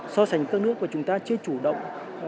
so sánh các nước mà chúng ta chưa chủ động